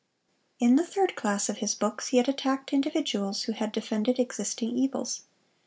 In the third class of his books he had attacked individuals who had defended existing evils.